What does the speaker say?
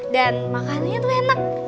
dan makanannya tuh enak